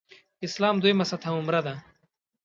اسلام دویمه سطح عمره ده.